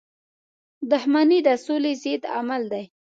• دښمني د سولی ضد عمل دی.